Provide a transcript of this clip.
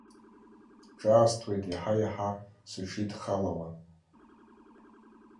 Ҿаасҭуеит иаҳа-иаҳа сыҽидхалауа.